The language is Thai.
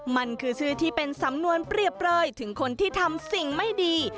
มันคือชื่อที่เป็นสำนวนเปรียบเปลยถึงคนที่ทำสิ่งไม่ดี